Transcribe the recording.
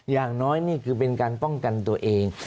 อย่างน้อยนี่คือเป็นการป้องกันตัวเอง